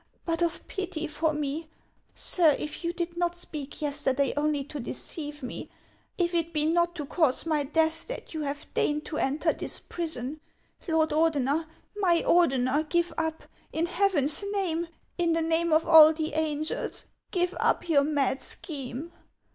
but of pity for me, sir, if you did not speak yesterday only to deceive me, if it be not to cause my deatli that you have deigned to enter this prison, Lord Ordener, my Ordener, give up, in Heaven's name, in the name of all the angels, — give up your mad scheme